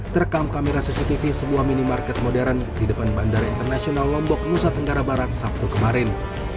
terekam kamera cctv sebuah minimarket modern di depan bandara internasional lombok nusa tenggara barat sabtu kemarin